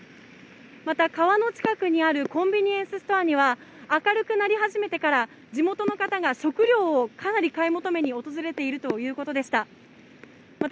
また、川の近くにあるコンビニエンスストアには、明るくなり始めてから、地元の方が食料をかなり買い物に訪れているということでした。